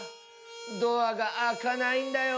ドアがあかないんだよ。